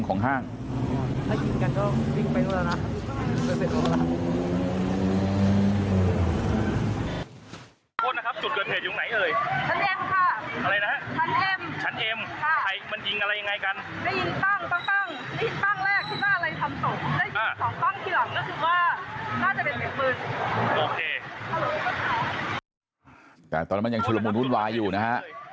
แต่ตอนนั้นมันยังชุลมุนวุ่นวายอยู่นะฮะ